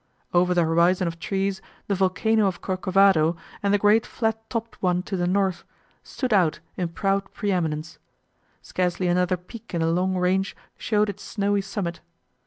Over the horizon of trees, the volcano of Corcovado, and the great flat topped one to the north, stood out in proud pre eminence: scarcely another peak in the long range showed its snowy summit.